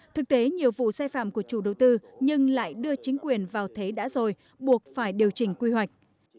thực tế nhiều vụ sai phạm của chủ đầu tư nhưng lại đưa chính quyền vào thế đã rồi buộc phải điều chỉnh quy hoạch